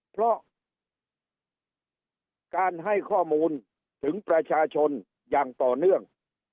เพราะการให้ข้อมูลถึงประชาชนอย่างต่อเนื่อง